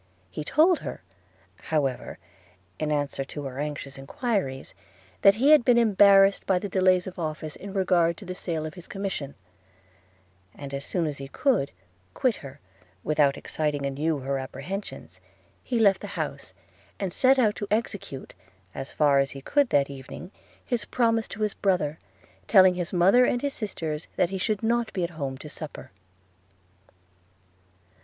He told her, however, in answer to her anxious enquiries, that he had been embarrassed by the delays of office in regard to the sale of his commission; and as soon as he could quit her without exciting anew her apprehensions, he left the house, and set out to execute, as far as he could that evening, his promise to his brother, telling his mother and his sisters that he should not be at home to supper.